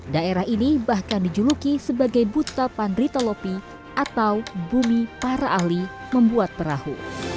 daerah ini bahkan dijuluki sebagai buta pandritolopi atau bumi para ahli membuat perahu